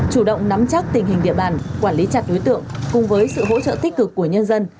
chủ động nắm chắc tình hình địa bàn quản lý chặt đối tượng cùng với sự hỗ trợ tích cực của nhân dân